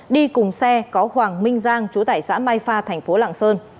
đi cùng xe có hoàng minh giang chú tải xã mai pha tp lạng sơn